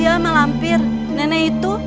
iya malampir nenek itu